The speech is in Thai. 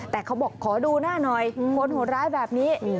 แต่เขาบอกขอดูหน้าหน่อยคนโหดร้ายแบบนี้